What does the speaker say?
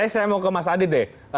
saya mau ke mas adi deh